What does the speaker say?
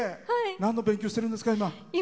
なんの勉強してるんですか、今。